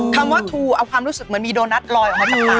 คำว่าทูเอาความรู้สึกเหมือนมีโดนัทลอยออกมาจากปาก